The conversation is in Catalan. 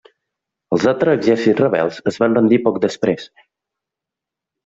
Els altres exèrcits rebels es van rendir poc després.